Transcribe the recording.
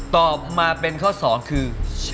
ตอบมาเป็นข้อ๒คือ